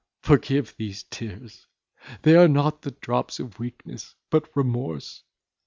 Forgive these tears; they are not the drops of weakness, but remorse.